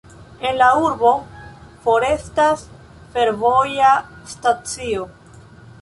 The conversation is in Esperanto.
En la urbo forestas fervoja stacio.